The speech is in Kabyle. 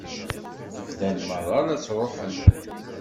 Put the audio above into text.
Bdan merra la ttruḥen.